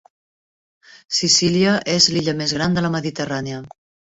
Sicília és l'illa més gran de la Mediterrània.